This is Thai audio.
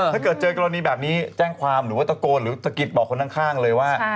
ถ้าเกิดเจอกรณีแบบนี้แจ้งความหรือว่าตะโกนหรือสะกิดบอกคนข้างเลยว่า